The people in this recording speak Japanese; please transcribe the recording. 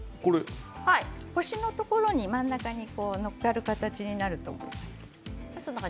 星のところに真ん中に載っかる形になると思います。